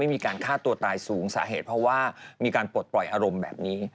มีการฆ่าตัวตายสูงสาเหตุเพราะว่ามีการปลดปล่อยอารมณ์แบบนี้